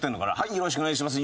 よろしくお願いします。